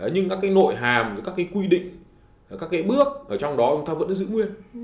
nhưng các cái nội hàm các cái quy định các cái bước ở trong đó chúng ta vẫn giữ nguyên